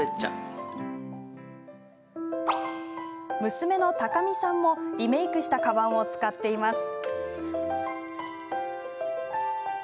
娘の貴美さんもリメークしたかばんを使っています。